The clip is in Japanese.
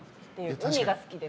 海が好きです。